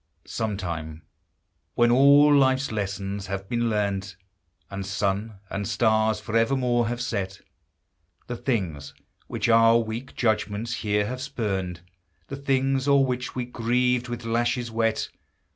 Sometime, when all life's lessons have been learned, And sun and stars forevermore have set, The things which our weak judgments here have spurned, The things o'er which we grieved with lashes wet, HUMAN EXPERIENCE.